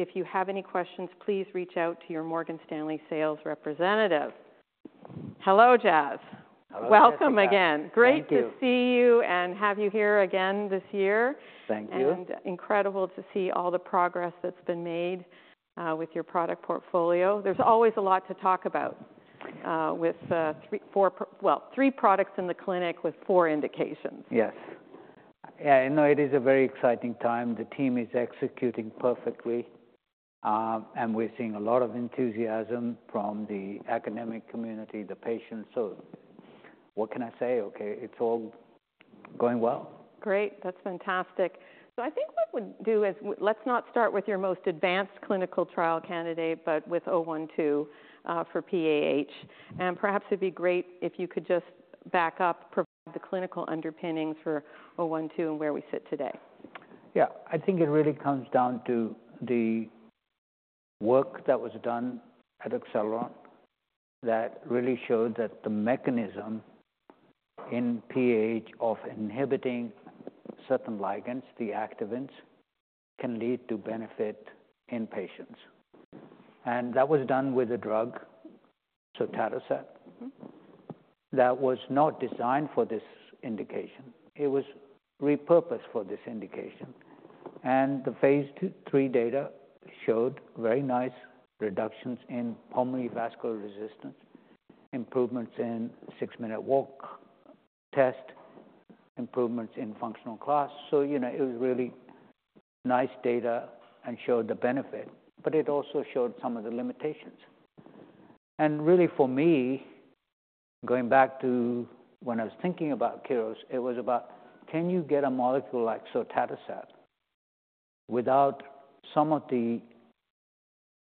If you have any questions, please reach out to your Morgan Stanley sales representative. Hello, Jas. Hello. Welcome again. Thank you. Great to see you and have you here again this year. Thank you. Incredible to see all the progress that's been made with your product portfolio. There's always a lot to talk about with well, three products in the clinic with four indications. Yes. Yeah, I know it is a very exciting time. The team is executing perfectly, and we're seeing a lot of enthusiasm from the academic community, the patients. So what can I say, okay? It's all going well. Great, that's fantastic. So I think what we'll do is, let's not start with your most advanced clinical trial candidate, but with KER-012 for PAH. And perhaps it'd be great if you could just back up, provide the clinical underpinnings for KER-012 and where we sit today. Yeah. I think it really comes down to the work that was done at Acceleron, that really showed that the mechanism in PAH of inhibiting certain ligands, the activins, can lead to benefit in patients. And that was done with a drug, sotatercept, that was not designed for this indication. It was repurposed for this indication. And the phase 2, 3 data showed very nice reductions in pulmonary vascular resistance, improvements in six-minute walk test, improvements in functional class. So, you know, it was really nice data and showed the benefit, but it also showed some of the limitations. And really, for me, going back to when I was thinking about Keros, it was about, can you get a molecule like sotatercept without some of the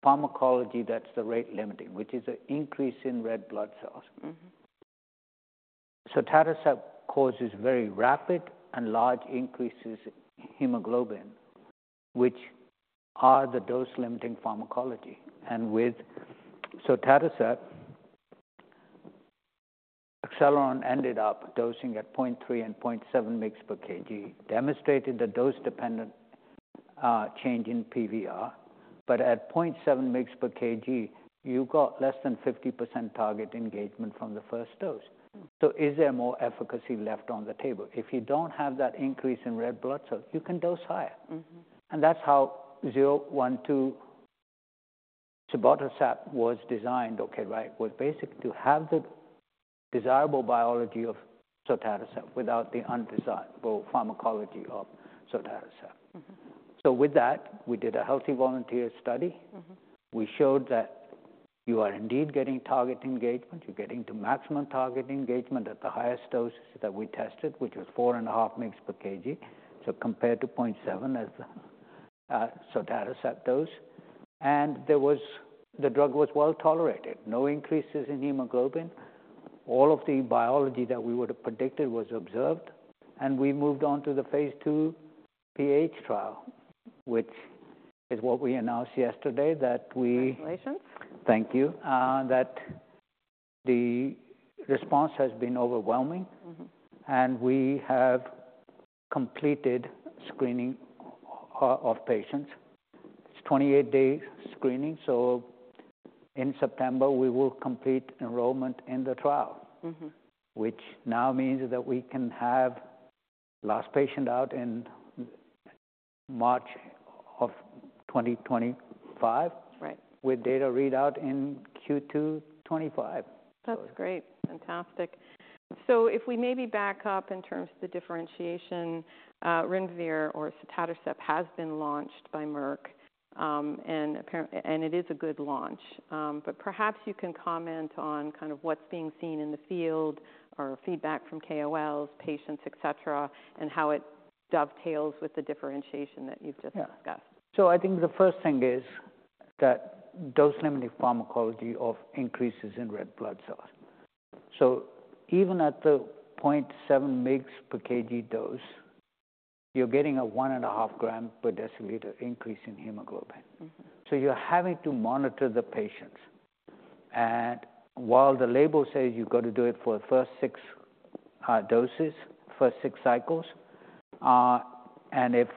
pharmacology that's the rate limiting, which is an increase in red blood cells? Sotatercept causes very rapid and large increases in hemoglobin, which are the dose-limiting pharmacology. And with sotatercept, Acceleron ended up dosing at 0.3 and 0.7 mg per kg, demonstrating the dose-dependent change in PVR. But at 0.7 mg per kg, you got less than 50% target engagement from the first dose. So is there more efficacy left on the table? If you don't have that increase in red blood cells, you can dose higher. That's how KER-012, cibotercept was designed, okay, right? Was basically to have the desirable biology of sotatercept without the undesirable pharmacology of sotatercept. With that, we did a healthy volunteer study. We showed that you are indeed getting target engagement. You're getting to maximum target engagement at the highest dose that we tested, which was four and a half mg per kg, so compared to point seven mg sotatercept dose, and there was... The drug was well-tolerated, no increases in hemoglobin. All of the biology that we would have predicted was observed, and we moved on to the phase 2 PAH trial, which is what we announced yesterday, that we- Congratulations. Thank you. That the response has been overwhelming. Mm-hmm. We have completed screening of patients. It's 28-day screening, so in September, we will complete enrollment in the trial.... Which now means that we can have last patient out in March of twenty twenty-five. Right. With data readout in Q2 2025. That's great. Fantastic. So if we maybe back up in terms of the differentiation, Winrevair or sotatercept has been launched by Merck, and it is a good launch. But perhaps you can comment on kind of what's being seen in the field or feedback from KOLs, patients, etc., and how it dovetails with the differentiation that you've just discussed. Yeah. So I think the first thing is that dose-limiting pharmacology of increases in red blood cells. So even at the 0.7 mg per kg dose, you're getting a 1.5-gram-per-deciliter increase in hemoglobin. So you're having to monitor the patients. And while the label says you've got to do it for the first six doses, first six cycles, and if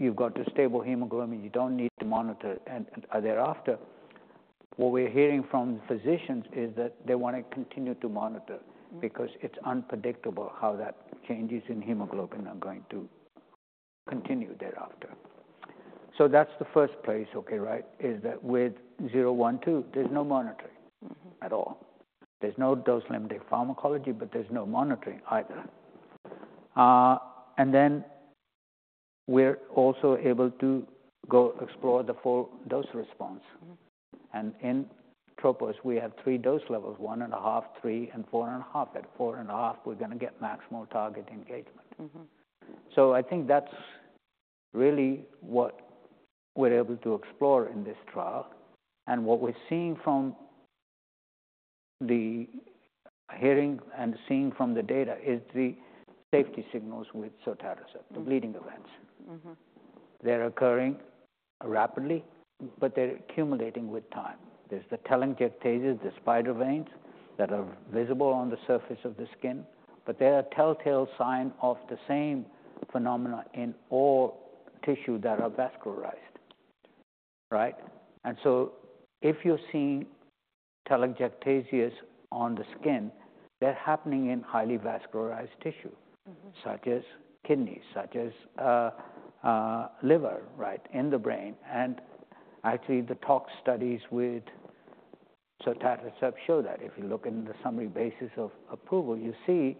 you've got a stable hemoglobin, you don't need to monitor and, thereafter, what we're hearing from physicians is that they want to continue to monitor-... because it's unpredictable how that changes in hemoglobin are going to continue thereafter. So that's the first place, okay, right, is that with KER-012, there's no monitoring-... at all. There's no dose-limiting pharmacology, but there's no monitoring either. And then we're also able to go explore the full dose response. In TROPOS, we have three dose levels: one and a half, three, and four and a half. At four and a half, we're going to get maximal target engagement. I think that's really what we're able to explore in this trial. What we're seeing from the hearing and seeing from the data is the safety signals with sotatercept.... the bleeding events. They're occurring rapidly... but they're accumulating with time. There's the telangiectasia, the spider veins, that are visible on the surface of the skin, but they are a telltale sign of the same phenomena in all tissue that are vascularized, right? And so if you're seeing telangiectasias on the skin, they're happening in highly vascularized tissue. such as kidneys, such as, liver, right, in the brain. And actually, the tox studies with sotatercept show that. If you look in the summary basis of approval, you see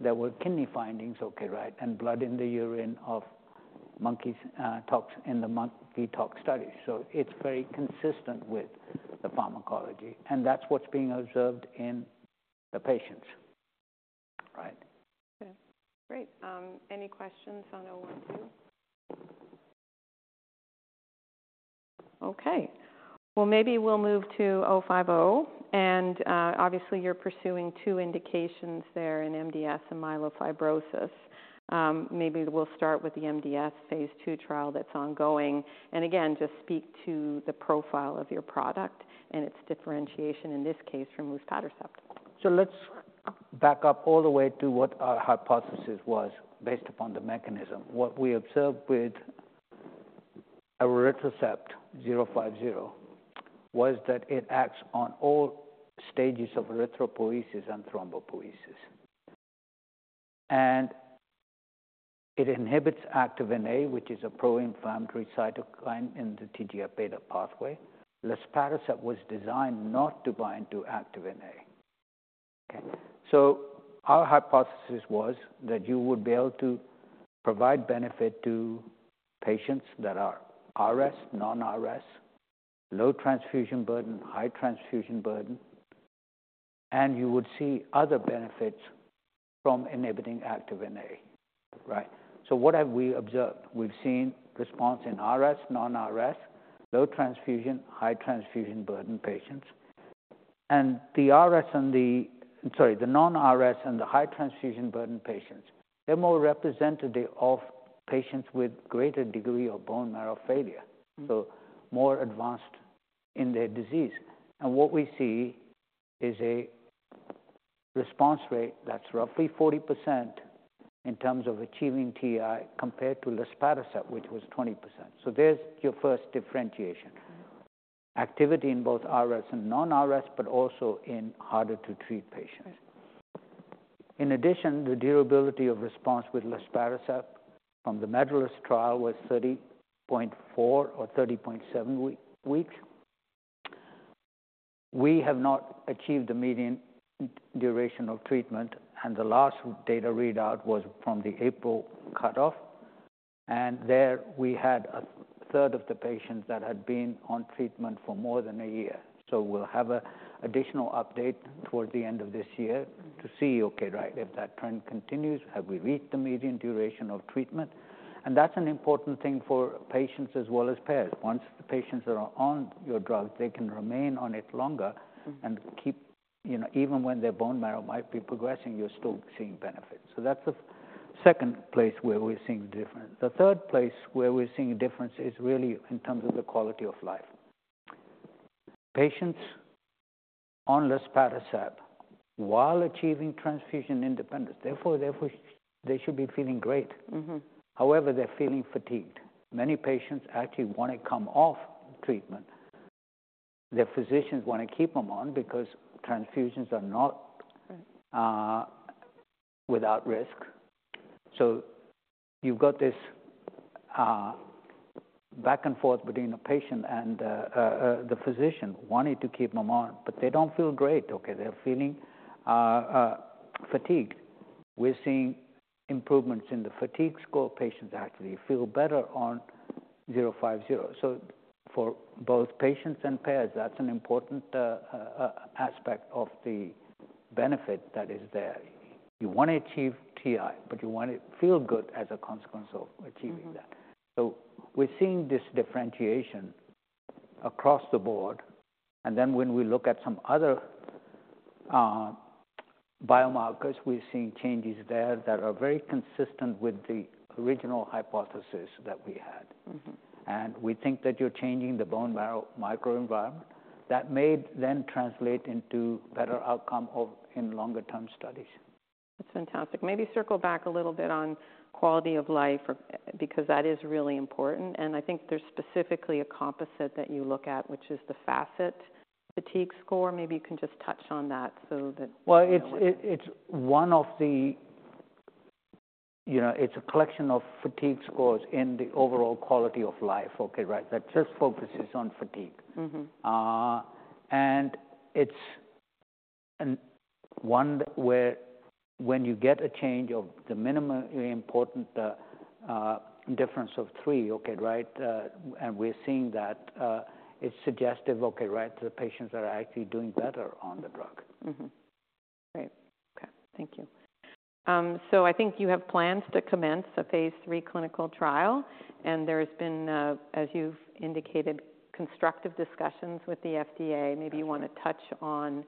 there were kidney findings, okay, right, and blood in the urine of monkeys, tox in the monkey tox studies. So it's very consistent with the pharmacology, and that's what's being observed in the patients, right? Okay, great. Any questions on KER-012? Okay, maybe we'll move to KER-050, and obviously you're pursuing two indications there in MDS and myelofibrosis. Maybe we'll start with the MDS phase II trial that's ongoing, and again, just speak to the profile of your product and its differentiation, in this case, from luspatercept. So let's back up all the way to what our hypothesis was, based upon the mechanism. What we observed with elritercept, KER-050, was that it acts on all stages of erythropoiesis and thrombopoiesis. And it inhibits activin A, which is a pro-inflammatory cytokine in the TGF-beta pathway. Luspatercept was designed not to bind to activin A. Okay, so our hypothesis was that you would be able to provide benefit to patients that are RS, non-RS, low transfusion burden, high transfusion burden, and you would see other benefits from inhibiting activin A, right? So what have we observed? We've seen response in RS, non-RS, low transfusion, high transfusion burden patients. And the RS and the... Sorry, the non-RS and the high transfusion burden patients, they're more representative of patients with greater degree of bone marrow failure- So more advanced in their disease. And what we see is a response rate that's roughly 40% in terms of achieving TI, compared to luspatercept, which was 20%. So there's your first differentiation. Activity in both RS and non-RS, but also in harder to treat patients. In addition, the durability of response with luspatercept from the MEDALIST trial was thirty point four or thirty point seven weeks. We have not achieved the median duration of treatment, and the last data readout was from the April cutoff, and there we had a third of the patients that had been on treatment for more than a year. So we'll have an additional update towards the end of this year to see, okay, right, if that trend continues, have we reached the median duration of treatment? And that's an important thing for patients as well as payers. Once the patients are on your drug, they can remain on it longer- And keep, you know, even when their bone marrow might be progressing, you're still seeing benefits. So that's the second place where we're seeing a difference. The third place where we're seeing a difference is really in terms of the quality of life. Patients on luspatercept, while achieving transfusion independence, therefore, they wish they should be feeling great. However, they're feeling fatigued. Many patients actually want to come off treatment. Their physicians want to keep them on because transfusions are not- Right... without risk. So you've got this back and forth between the patient and the physician, wanting to keep them on, but they don't feel great, okay? They're feeling fatigue. We're seeing improvements in the fatigue score. Patients actually feel better on KER-050. So for both patients and physicians, that's an important aspect of the benefit that is there. You want to achieve TI, but you want to feel good as a consequence of achieving that. So we're seeing this differentiation across the board, and then when we look at some other biomarkers, we're seeing changes there that are very consistent with the original hypothesis that we had. We think that you're changing the bone marrow microenvironment. That may then translate into better outcomes in longer-term studies. That's fantastic. Maybe circle back a little bit on quality of life or, because that is really important, and I think there's specifically a composite that you look at, which is the FACIT-Fatigue score. Maybe you can just touch on that so that- It's one of the... You know, it's a collection of fatigue scores in the overall quality of life, okay, right, that just focuses on fatigue. And it's one where when you get a change of the minimally important difference of three, okay, right. And we're seeing that it's suggestive, okay, right. The patients are actually doing better on the drug. Great. Okay, thank you, so I think you have plans to commence a phase III clinical trial, and there has been, as you've indicated, constructive discussions with the FDA. Maybe you want to touch on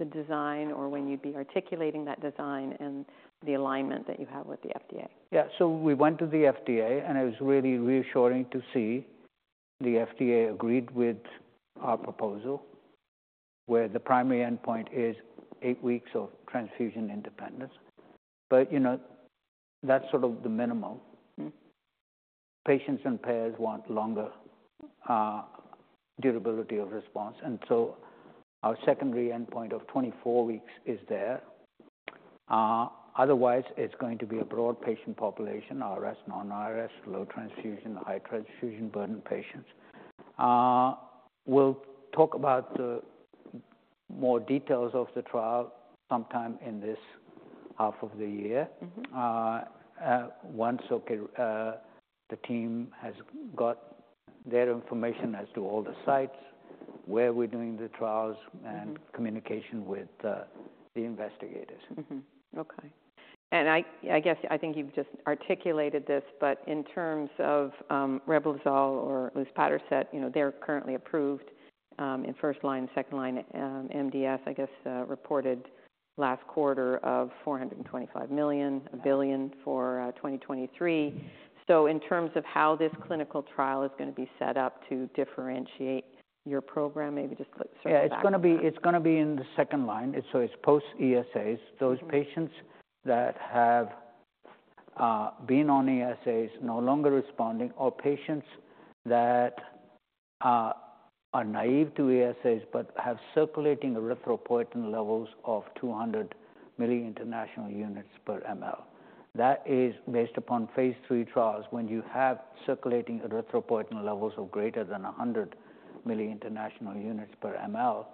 the design or when you'd be articulating that design and the alignment that you have with the FDA? Yeah, so we went to the FDA, and it was really reassuring to see the FDA agreed with our proposal, where the primary endpoint is eight weeks of transfusion independence. But, you know, that's sort of the minimum. Patients and payers want longer durability of response, and so our secondary endpoint of 24 weeks is there. Otherwise, it's going to be a broad patient population, RS, non-RS, low transfusion, high transfusion-burden patients. We'll talk about the more details of the trial sometime in this half of the year. Once, okay, the team has got their information as to all the sites where we're doing the trials. and communication with the investigators. Okay. And I guess I think you've just articulated this, but in terms of, Reblozyl or luspatercept, you know, they're currently approved, in first line, second line, MDS, I guess, reported last quarter of $425 million- Yeah $1 billion for 2023. So in terms of how this clinical trial is going to be set up to differentiate your program, maybe just let's start with that. Yeah, it's gonna be, it's gonna be in the second line. So it's post-ESAs. Those patients that have been on ESAs, no longer responding, or patients that are naive to ESAs but have circulating erythropoietin levels of 200 million international units per mL. That is based upon phase 2 trials. When you have circulating erythropoietin levels of greater than 100 million international units per mL,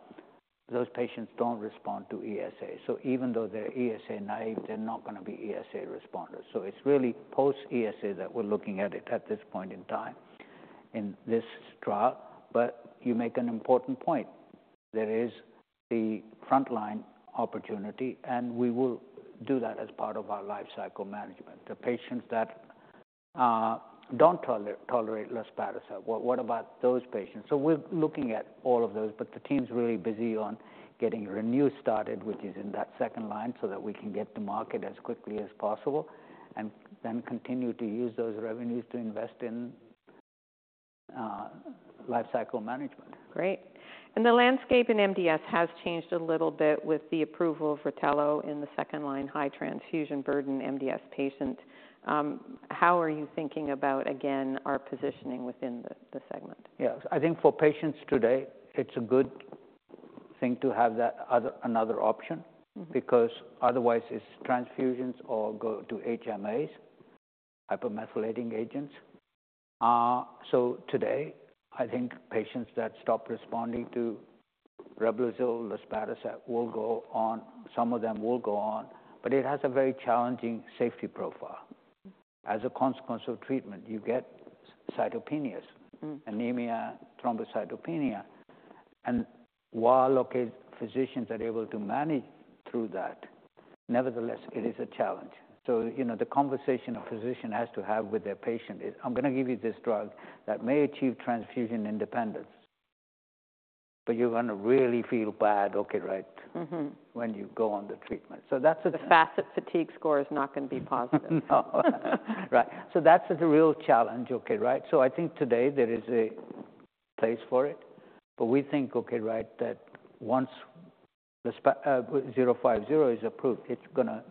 those patients don't respond to ESAs. So even though they're ESA naive, they're not gonna be ESA responders. So it's really post-ESA that we're looking at it at this point in time in this trial. But you make an important point. There is the frontline opportunity, and we will do that as part of our lifecycle management. The patients that don't tolerate Luspatercept, what about those patients? So we're looking at all of those, but the team's really busy on getting Renu started, which is in that second line, so that we can get to market as quickly as possible and then continue to use those revenues to invest in lifecycle management. Great. And the landscape in MDS has changed a little bit with the approval of Rytelo in the second-line, high transfusion burden MDS patient. How are you thinking about, again, our positioning within the segment? Yes. I think for patients today, it's a good thing to have another option- because otherwise, it's transfusions or go to HMAs, hypomethylating agents. So today, I think patients that stop responding to Reblozyl, luspatercept, will go on... Some of them will go on, but it has a very challenging safety profile. As a consequence of treatment, you get cytopenias.... anemia, thrombocytopenia and while, okay, physicians are able to manage through that, nevertheless, it is a challenge. So, you know, the conversation a physician has to have with their patient is: "I'm gonna give you this drug that may achieve transfusion independence, but you're gonna really feel bad, okay, right- when you go on the treatment." So that's the- The FACIT-Fatigue score is not gonna be positive. No. Right. So that's the real challenge, okay, right? So I think today there is a place for it, but we think, okay, right, that once the KER-050 is approved, it's gonna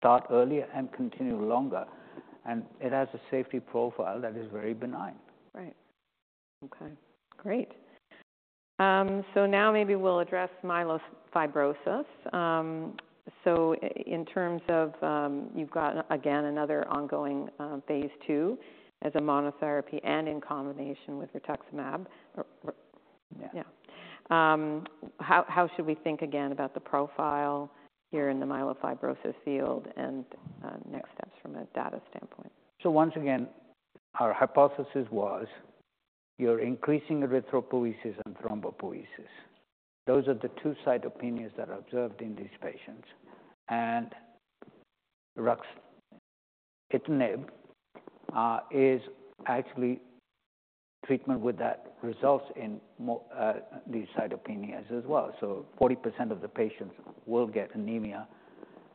start earlier and continue longer, and it has a safety profile that is very benign. Right. Okay, great. So now maybe we'll address myelofibrosis. So in terms of, you've got, again, another ongoing, phase 2 as a monotherapy and in combination with ruxolitinib. Yeah. Yeah. How should we think again about the profile here in the myelofibrosis field and next steps from a data standpoint? So once again, our hypothesis was you're increasing erythropoiesis and thrombopoiesis. Those are the two cytopenias that are observed in these patients. And ruxolitinib is actually treatment with that results in these cytopenias as well. So 40% of the patients will get anemia,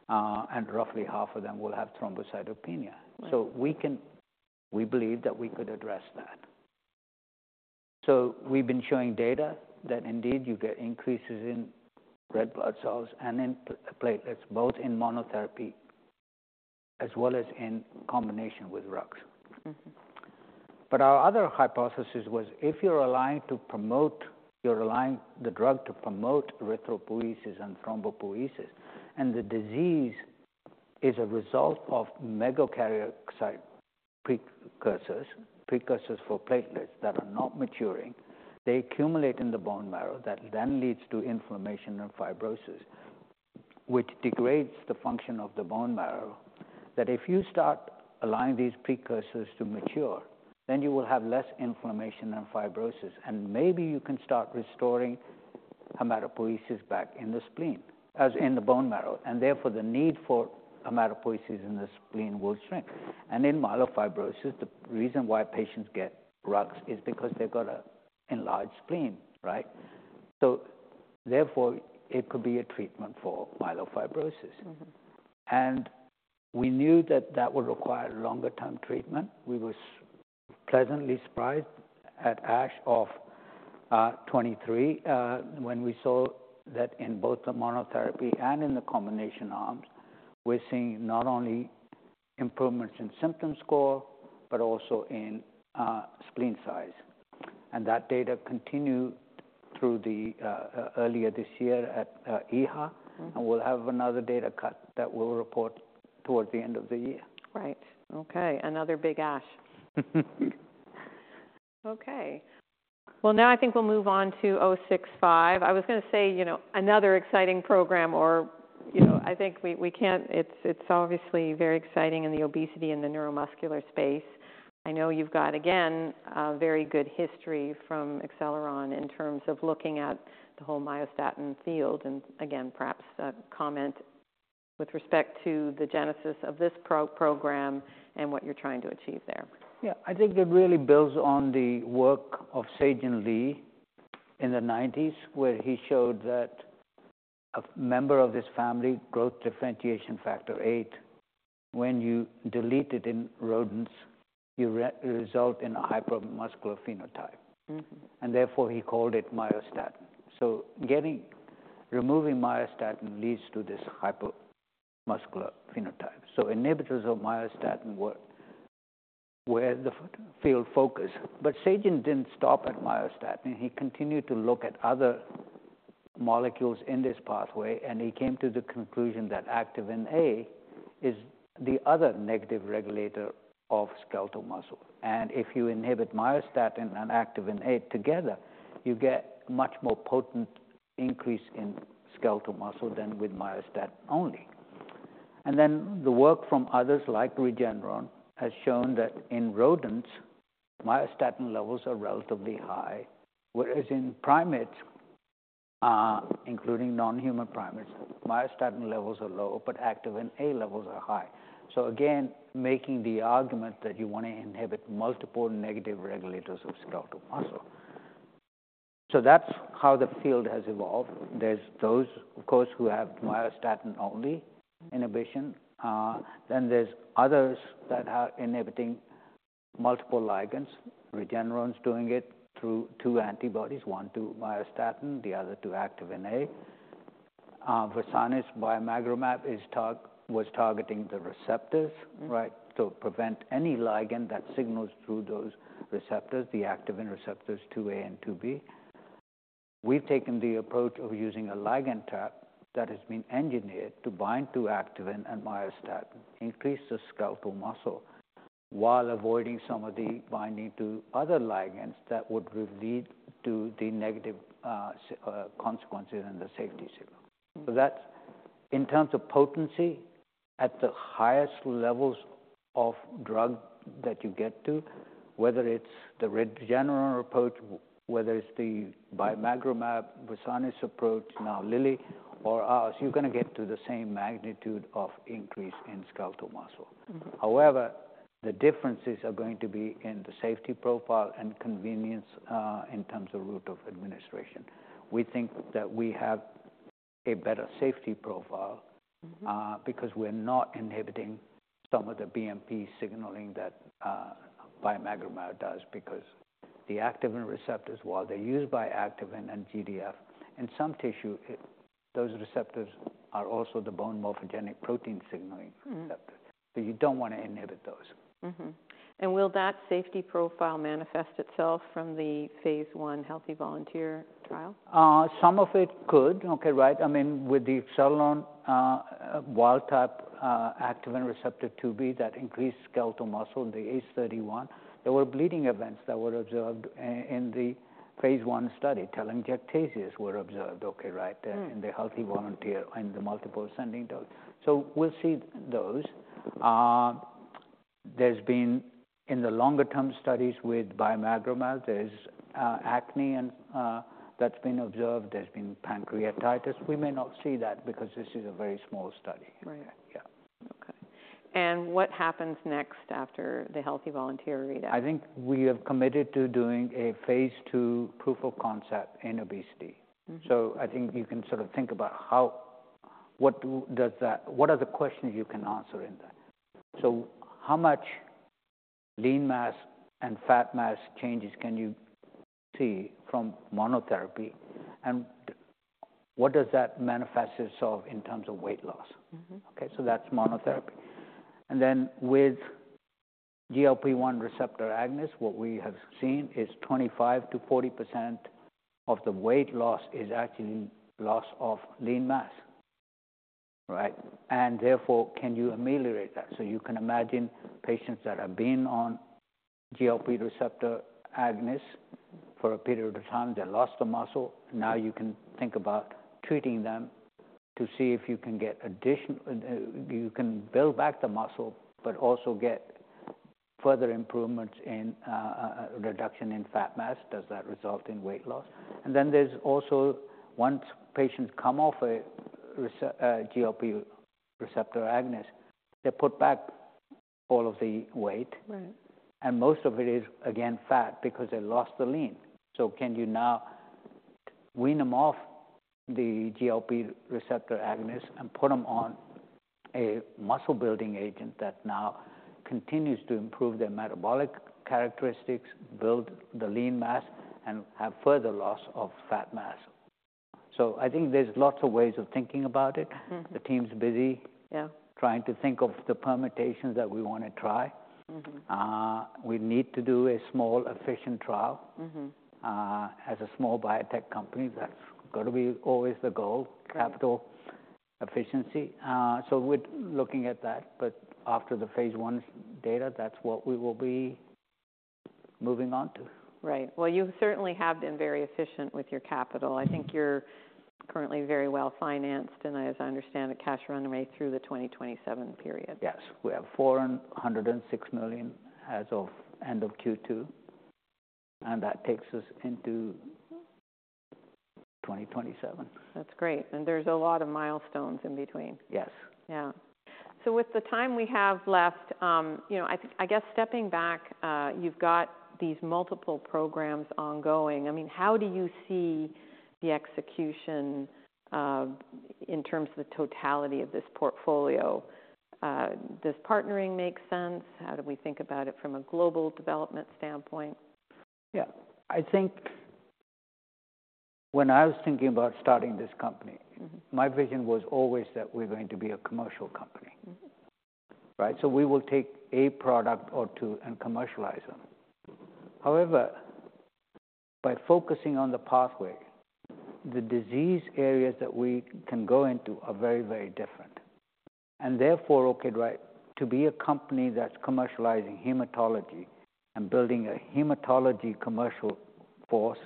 and roughly half of them will have thrombocytopenia. Right. So we believe that we could address that. So we've been showing data that indeed, you get increases in red blood cells and in platelets, both in monotherapy as well as in combination with RUX. But our other hypothesis was, if you're aligned to promote. You're aligning the drug to promote erythropoiesis and thrombopoiesis, and the disease is a result of megakaryocyte precursors, precursors for platelets that are not maturing. They accumulate in the bone marrow, that then leads to inflammation and fibrosis, which degrades the function of the bone marrow, that if you start aligning these precursors to mature, then you will have less inflammation and fibrosis, and maybe you can start restoring hematopoiesis back in the spleen, as in the bone marrow, and therefore, the need for hematopoiesis in the spleen will shrink. And in myelofibrosis, the reason why patients get drugs is because they've got a enlarged spleen, right? So therefore, it could be a treatment for myelofibrosis. We knew that that would require longer-term treatment. We were pleasantly surprised at ASH of 2023 when we saw that in both the monotherapy and in the combination arms, we're seeing not only improvements in symptom score, but also in spleen size. That data continued through earlier this year at EHA. We'll have another data cut that we'll report towards the end of the year. Right. Okay, another big ASH. Okay. Well, now I think we'll move on to KER-065. I was gonna say, you know, another exciting program or, you know, I think we can't... It's obviously very exciting in the obesity and the neuromuscular space. I know you've got, again, a very good history from Acceleron in terms of looking at the whole myostatin field, and again, perhaps a comment with respect to the genesis of this program and what you're trying to achieve there. Yeah, I think it really builds on the work of Se-Jin Lee in the nineties, where he showed that a member of his family, growth differentiation factor eight, when you delete it in rodents, you result in a hyper-muscular phenotype. And therefore, he called it myostatin. So getting, removing myostatin leads to this hyper-muscular phenotype. So inhibitors of myostatin were the field focus. But Se-Jin didn't stop at myostatin. He continued to look at other molecules in this pathway, and he came to the conclusion that activin A is the other negative regulator of skeletal muscle. And if you inhibit myostatin and activin A together, you get much more potent increase in skeletal muscle than with myostatin only. And then the work from others, like Regeneron, has shown that in rodents, myostatin levels are relatively high, whereas in primates, including non-human primates, myostatin levels are low, but activin A levels are high. So again, making the argument that you want to inhibit multiple negative regulators of skeletal muscle. So that's how the field has evolved. There's those, of course, who have myostatin-only inhibition. Then there's others that are inhibiting multiple ligands. Regeneron's doing it through two antibodies, one to myostatin, the other to activin A. Versanis bimagrumab was targeting the receptors, right? To prevent any ligand that signals through those receptors, the activin receptors two A and two B. We've taken the approach of using a ligand trap that has been engineered to bind to activin and myostatin, increase the skeletal muscle while avoiding some of the binding to other ligands that would lead to the negative consequences in the safety signal. So that's in terms of potency at the highest levels of drug that you get to, whether it's the Regeneron approach, whether it's the bimagrumab Versanis approach, now Lilly or us, you're gonna get to the same magnitude of increase in skeletal muscle. However, the differences are going to be in the safety profile and convenience, in terms of route of administration. We think that we have a better safety profile-... because we're not inhibiting some of the BMP signaling that bimagrumab does, because the activin receptors, while they're used by activin and GDF, in some tissue, those receptors are also the bone morphogenetic protein signaling receptors. So you don't want to inhibit those. And will that safety profile manifest itself from the phase 1 healthy volunteer trial? Some of it could. Okay, right. I mean, with the Acceleron wild-type activin receptor 2B that increased skeletal muscle in the ACE-031, there were bleeding events that were observed in the phase 1 study. Telangiectasias were observed, okay, right.M... in the healthy volunteer and the multiple ascending dose. So we'll see those. There's been, in the longer-term studies with bimagrumab, there's acne and that's been observed. There's been pancreatitis. We may not see that because this is a very small study. Right. Yeah. Okay, and what happens next after the healthy volunteer readout? I think we have committed to doing a phase 2 proof of concept in obesity. So I think you can sort of think about how—what does that—what are the questions you can answer in that? So how much lean mass and fat mass changes can you see from monotherapy, and what does that manifest itself in terms of weight loss? Okay, so that's monotherapy. And then with GLP-1 receptor agonist, what we have seen is 25%-40% of the weight loss is actually loss of lean mass, right? And therefore, can you ameliorate that? So you can imagine patients that have been on GLP receptor agonist for a period of time, they lost the muscle. Now, you can think about treating them to see if you can build back the muscle, but also get further improvements in reduction in fat mass, does that result in weight loss? And then there's also, once patients come off a GLP receptor agonist, they put back all of the weight. Right. And most of it is, again, fat because they lost the lean. So can you now wean them off the GLP receptor agonist and put them on a muscle-building agent that now continues to improve their metabolic characteristics, build the lean mass, and have further loss of fat mass? So I think there's lots of ways of thinking about it. The team's busy- Yeah Trying to think of the permutations that we want to try. We need to do a small, efficient trial. As a small biotech company, that's going to be always the goal- Right... capital efficiency, so we're looking at that, but after the phase I data, that's what we will be moving on to. Right. Well, you certainly have been very efficient with your capital. I think you're currently very well-financed, and as I understand, the cash runway through the 2027 period. Yes. We have $406 million as of end of Q2, and that takes us into- 2027. That's great, and there's a lot of milestones in between. Yes. Yeah. So with the time we have left, you know, I guess stepping back, you've got these multiple programs ongoing. I mean, how do you see the execution, in terms of the totality of this portfolio? Does partnering make sense? How do we think about it from a global development standpoint? Yeah. I think when I was thinking about starting this company-... my vision was always that we're going to be a commercial company. Right? So we will take a product or two and commercialize them. However, by focusing on the pathway, the disease areas that we can go into are very, very different and therefore, okay, right, to be a company that's commercializing hematology and building a hematology commercial force,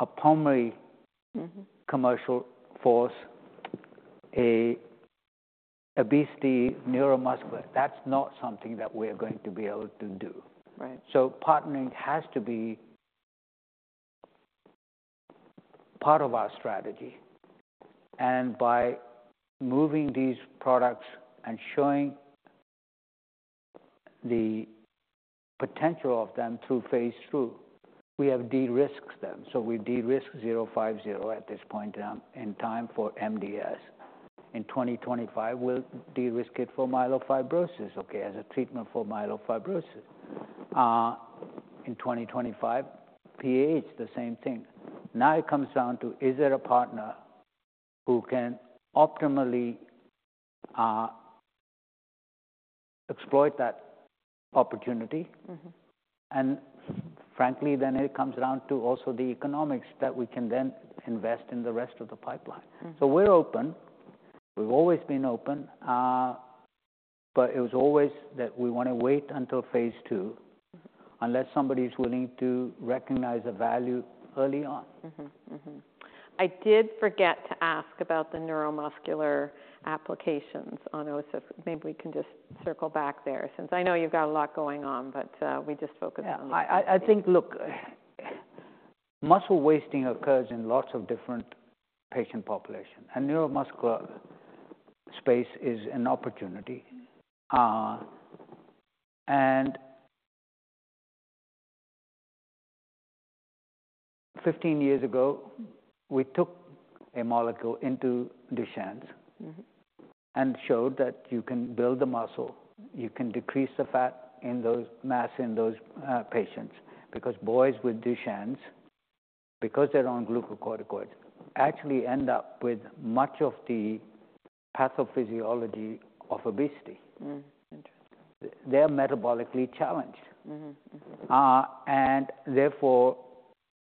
a pulmonary-... commercial force, an obesity neuromuscular, that's not something that we're going to be able to do. Right. So partnering has to be part of our strategy, and by moving these products and showing the potential of them through phase II, we have de-risked them. So we de-risk zero five zero at this point in time, in time for MDS. In twenty twenty-five, we'll de-risk it for myelofibrosis, okay, as a treatment for myelofibrosis. In twenty twenty-five, PAH, the same thing. Now, it comes down to, is there a partner who can optimally exploit that opportunity? And frankly, then it comes down to also the economics that we can then invest in the rest of the pipeline. So we're open. We've always been open, but it was always that we want to wait until phase II-... unless somebody is willing to recognize the value early on. I did forget to ask about the neuromuscular applications on KER-065. Maybe we can just circle back there, since I know you've got a lot going on, but we just focused on- Yeah. I think, look, muscle wasting occurs in lots of different patient population, and neuromuscular space is an opportunity, and 15 years ago, we took a molecule into Duchenne's-... and showed that you can build the muscle, you can decrease the fat in those masses, in those patients. Because boys with Duchenne's, because they're on glucocorticoids, actually end up with much of the pathophysiology of obesity. Interesting. They're metabolically challenged. And therefore,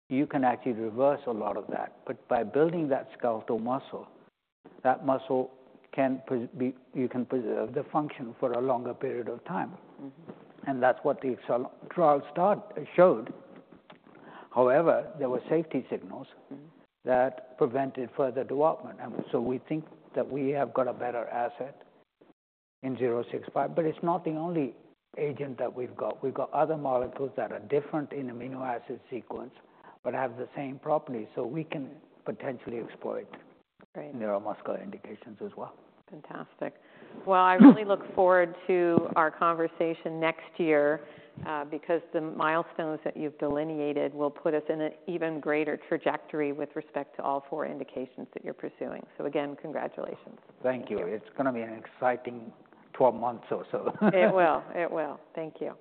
you can actually reverse a lot of that. But by building that skeletal muscle, that muscle can preserve the function for a longer period of time. And that's what the trial start showed. However, there were safety signals-... that prevented further development. And so we think that we have got a better asset in KER-065, but it's not the only agent that we've got. We've got other molecules that are different in amino acid sequence but have the same property, so we can potentially exploit- Great... neuromuscular indications as well. Fantastic. Well, I really look forward to our conversation next year, because the milestones that you've delineated will put us in an even greater trajectory with respect to all four indications that you're pursuing. So again, congratulations. Thank you. Thank you. It's gonna be an exciting 12 months or so. It will. It will. Thank you.